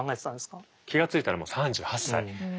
気が付いたらもう３８歳。